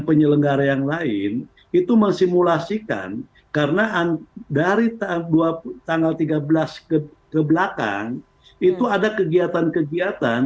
penyelenggara yang lain itu mensimulasikan karena dari tanggal tiga belas ke belakang itu ada kegiatan kegiatan